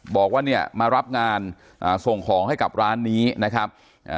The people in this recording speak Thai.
บอกว่าเนี่ยมารับงานอ่าส่งของให้กับร้านนี้นะครับอ่า